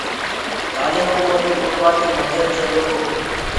ڪآلي وو موندي ٻولوآ ڪي بگير چيلو گو؟